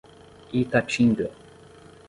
Itatinga